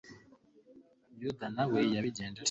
yuda na we yabigenje atyo